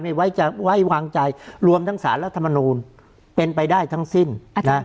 ไว้จะไว้วางใจรวมทั้งสารรัฐมนูลเป็นไปได้ทั้งสิ้นนะ